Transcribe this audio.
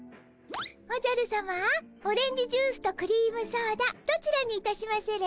おじゃるさまオレンジジュースとクリームソーダどちらにいたしまする？